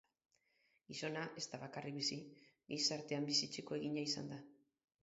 Gizona ez da bakarrik bizi; gizartean bizitzeko egina izan da.